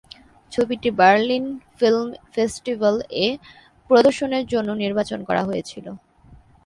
ছবিটি "Berlin film festival" এ প্রদর্শনের জন্য নির্বাচন করা হয়েছিল।